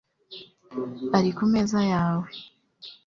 Ari ku meza yawe